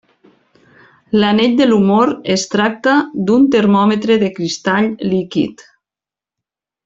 L'anell de l'humor es tracta d'un termòmetre de cristall líquid.